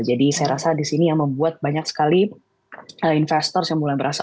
jadi saya rasa di sini yang membuat banyak sekali investor yang mulai merasa